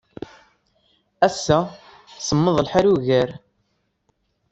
Ass-a, semmeḍ lḥal ugar.